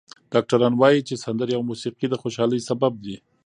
ډاکټران وايي چې سندرې او موسیقي د خوشحالۍ سبب دي.